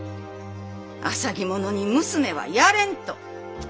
「浅葱者に娘はやれん」と。